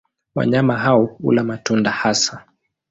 Wanyama hao hula matunda hasa.